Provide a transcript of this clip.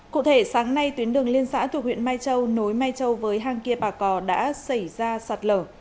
cụ thể sáng nay tuyến đường liên xã thuộc huyện mai châu nối mai châu với hang kia bà cò đã xảy ra sạt lở